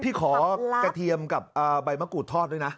พี่ขอกระเทียมกับใบมะกรูดทอดด้วยนะ